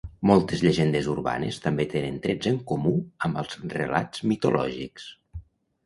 Moltes llegendes urbanes també tenen trets en comú amb els relats mitològics.